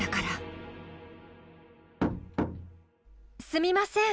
「すみません」